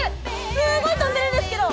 すごい飛んでるんですけど。